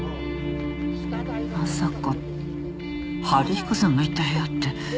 まさか春彦さんが行った部屋って。